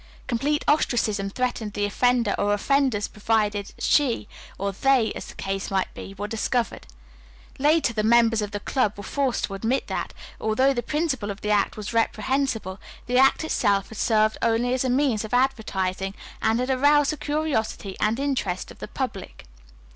Complete ostracism threatened the offender or offenders provided she or they, as the case might be, were discovered. Later the members of the club were forced to admit that, although the principle of the act was reprehensible, the act itself had served only as a means of advertising, and had aroused the curiosity and interest of the public.